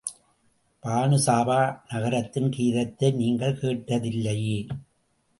பானு சாபா நகரத்தின் கீதத்தை நீங்கள் கேட்டதில்லையே?